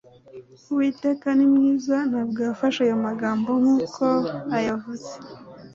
Uwiteka ni mwiza, ntabwo yafashe ayo magambo nk'uko ayavuze.